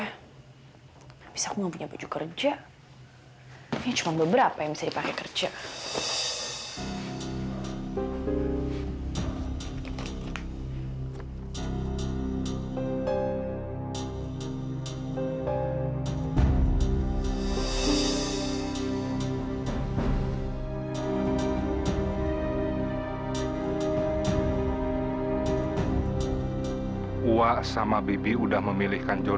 habis aku gak punya baju kerja ya cuma beberapa yang bisa dipakai kerja